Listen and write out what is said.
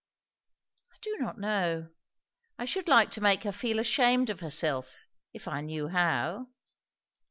"I do not know. I should like to make her feel ashamed of herself if I knew how."